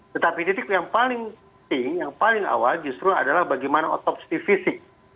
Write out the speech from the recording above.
tetapi titik yang paling penting yang paling awal justru adalah bagaimana otopsi fisik